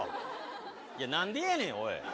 いや、なんでやねん、おい。